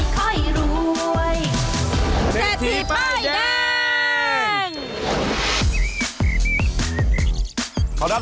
เจ็บที่ป้ายแดง